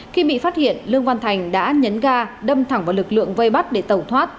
khi bị phát hiện lương văn thành đã nhấn ga đâm thẳng vào lực lượng vây bắt để tẩu thoát